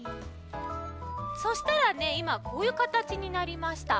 そしたらねいまこういうかたちになりました。